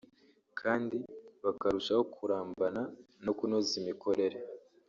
kandi bakarushaho kurambana no kunoza imikorere